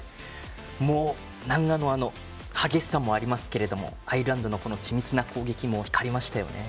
もう南アのあの激しさもありますけどアイルランドの緻密な攻撃も光りましたよね。